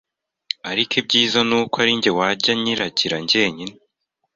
Ariko ibyiza ni uko ari njye wajya nyiragira njyenyine